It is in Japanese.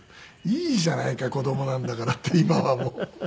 いいじゃないか子供なんだからって今はもう。